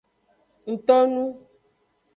Ngtonu.